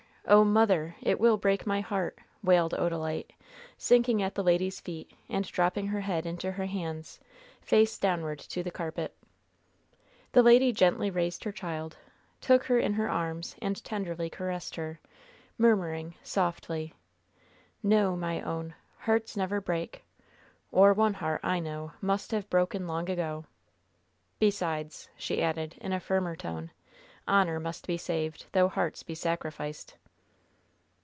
Oh, mother! it will break my heart!" wailed Odalite, sinking at the lady's feet, and dropping her head into her hands, face downward to the carpet. The lady gently raised her child, took her in her arms and tenderly caressed her, murmuring, softly: "No, my own! hearts never break, or one heart, I know, must have broken long ago. Besides," she added, in a firmer tone, "honor must be saved, though hearts be sacrificed."